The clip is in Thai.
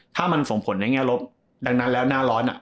ถ้ามันส่งผลในแง่ลบดังนั้นแล้วหน้าร้อนอ่ะ